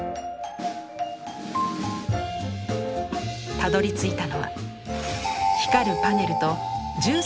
たどりついたのは光るパネルと１３．５度の傾斜。